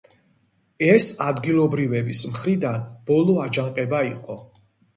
ეს ადგილობრივების მხრიდან ბოლო აჯანყება იყო.